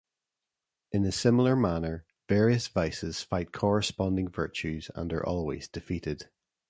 In a similar manner, various vices fight corresponding virtues and are always defeated.